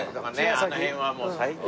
あの辺はもう最高。